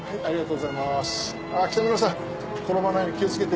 ありがとうございます。